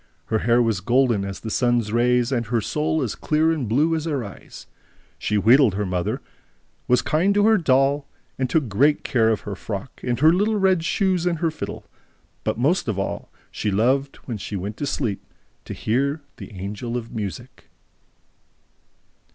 Her hair was golden as the sun's rays and her soul as clear and blue as her eyes. She wheedled her mother, was kind to her doll, took great care of her frock and her little red shoes and her fiddle, but most of all loved, when she went to sleep, to hear the Angel of Music."